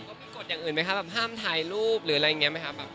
ก็มีกฎอย่างอื่นไหมคะแบบห้ามถ่ายรูปหรืออะไรอย่างนี้ไหมคะ